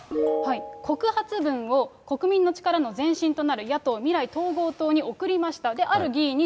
告発文を国民の力の前身となる野党・未来統合党に送りました。